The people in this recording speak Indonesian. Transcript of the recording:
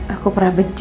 aku pernah benci